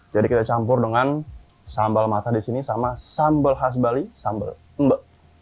jadi kita campur dengan sambal mata di sini sama sambal khas bali sambal mba